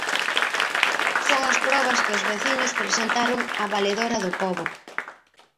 Son as probas que os veciños presentaron á Valedora do Pobo.